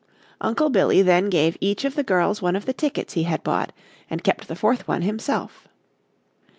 Uncle Billy then gave each of the girls one of the tickets he had bought and kept the fourth one himself.